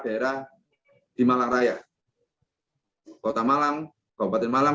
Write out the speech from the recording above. dan sudah ingin ini untuk membahas kesen cheil yang sanggup jadi masalah